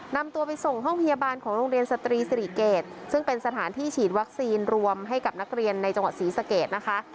นำตัวไปส่งห้องพยาบาลของโรงเรียนสตรีศรีเกตซึ่งเป็นสถานที่ฉีดวัคซีนรวมให้กับนักเรียนในจังหวัดศรีสะเกดนะคะ